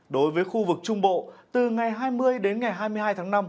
đối với khu vực trung bộ từ ngày hai mươi đến ngày hai mươi hai tháng năm